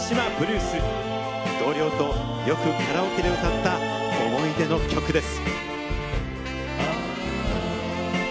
同僚と、よくカラオケで歌った思い出の曲です。